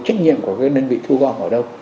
trách nhiệm của các đơn vị thu gọn ở đâu